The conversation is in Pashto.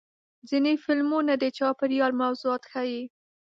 ځینې فلمونه د چاپېریال موضوعات ښیي.